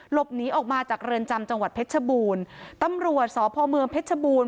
หลบหนีออกมาจากเรือนจำจังหวัดเพชรชบูรณ์ตำรวจสพเมืองเพชรบูรณ